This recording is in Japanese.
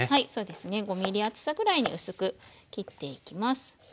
５ｍｍ厚さぐらいに薄く切っていきます。